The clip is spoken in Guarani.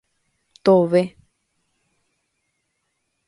¡Tove!